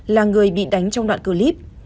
là người bị đánh trong đoạn clip